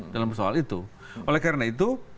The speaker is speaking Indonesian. dalam soal itu oleh karena itu